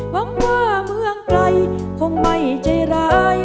หวังว่าเมืองไกลคงไม่ใจร้าย